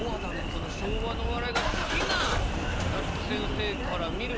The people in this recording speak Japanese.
その昭和のお笑いが好きななつき先生から見ると。